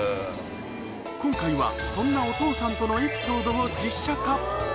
今回は、そんなお父さんとのエピソードを実写化。